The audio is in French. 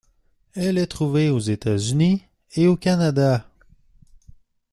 Elle est trouvée aux États-Unis et au Canada.